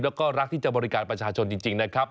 แล้วก็รักที่จะบริการประชาชนจริงนะครับ